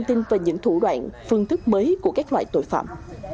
tin về những thủ đoạn phương thức mới của các loại tội phạm